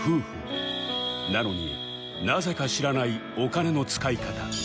なのになぜか知らないお金の使い方